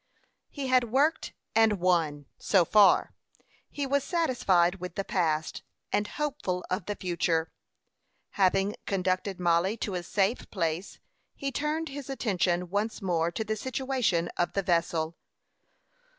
He had worked and won, so far. He was satisfied with the past, and hopeful of the future. Having conducted Mollie to a safe place, he turned his attention once more to the situation of the vessel.